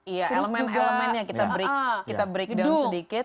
iya elemen elemennya kita break down sedikit